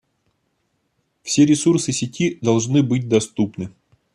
Все ресурсы сети должны быть доступны